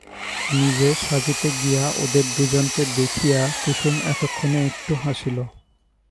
নিজে সাজিতে গিয়া ওদের দুজনকে দেখিয়া কুসুম এতক্ষণে একটু হাসিল।